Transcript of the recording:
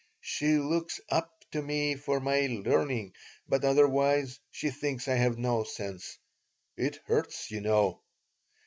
She looks up to me for my learning, but otherwise she thinks I have no sense. It hurts, you know."